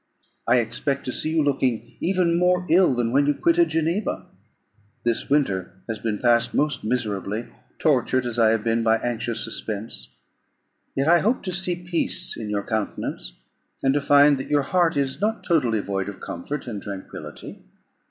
I expect to see you looking even more ill than when you quitted Geneva. This winter has been passed most miserably, tortured as I have been by anxious suspense; yet I hope to see peace in your countenance, and to find that your heart is not totally void of comfort and tranquillity.